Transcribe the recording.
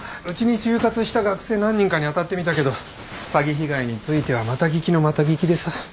うちに就活した学生何人かに当たってみたけど詐欺被害についてはまた聞きのまた聞きでさ。